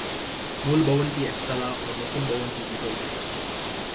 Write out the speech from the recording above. মূল ভবনটি একতলা ও নতুন ভবনটি দ্বিতল বিশিষ্ট।